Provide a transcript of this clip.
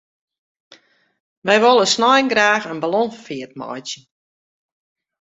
Wy wolle snein graach in ballonfeart meitsje.